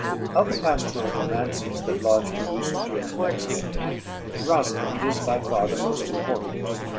Of the pastoral romances that Lodge produced during the next decade "Rosalynde" is by far the most important.